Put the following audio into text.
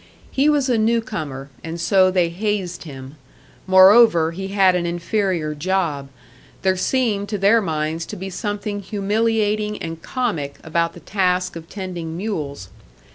He was a newcomer, and so they hazed him; moreover, he had an inferior job there seemed to their minds to be something humiliating and comic about the task of tending mules.